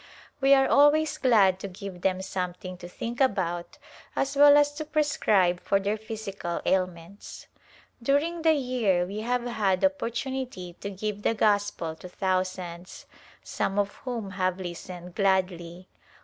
We are always glad to give them something to think about as well as to prescribe for their physical ail ments. During the year we have had opportunity to give the Gospel to thousands, some of whom have listened gladly.